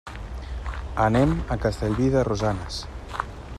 Anem a Castellví de Rosanes.